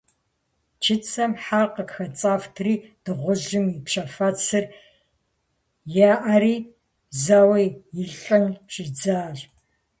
Чыцэм хьэр къыхэцӀэфтри, дыгъужьым и пщэфэцым еӀэри, зэуэ илӀын щӀидзащ.